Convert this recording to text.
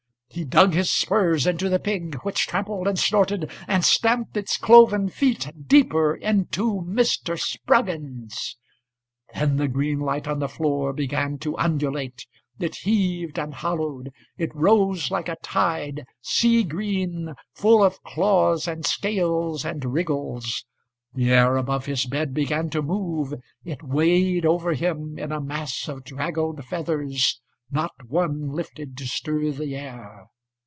He dug his spurs into the pig, Which trampled and snorted, And stamped its cloven feet deeper into Mr. Spruggins.Then the green light on the floor began to undulate.It heaved and hollowed, It rose like a tide, Sea green, Full of claws and scalesAnd wriggles. The air above his bed began to move; It weighed over himIn a mass of draggled feathers. Not one lifted to stir the air.